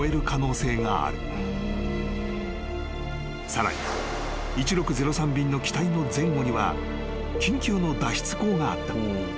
［さらに１６０３便の機体の前後には緊急の脱出口があった］